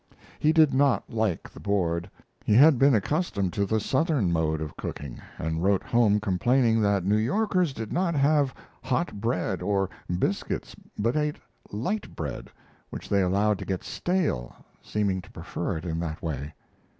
He did not like the board. He had been accustomed to the Southern mode of cooking, and wrote home complaining that New Yorkers did not have "hot bread" or biscuits, but ate "light bread," which they allowed to get stale, seeming to prefer it in that way.